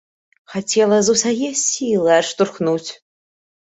Хацела з усяе сілы адштурхнуць.